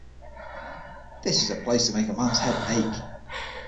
This is a place to make a man's head ache!